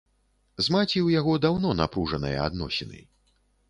З маці ў яго даўно напружаныя адносіны.